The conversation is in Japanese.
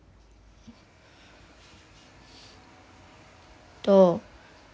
えっと